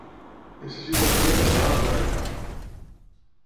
Necessito ajuda per anar a la Torre Agbar.